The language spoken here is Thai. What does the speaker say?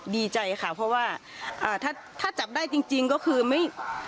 ดีใจค่ะเพราะว่าถ้าจับได้จริงก็คือไม่